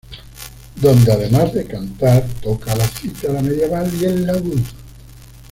Donde además de cantar, toca la cítara medieval y el laúd.